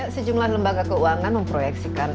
sejumlah lembaga keuangan memproyeksikan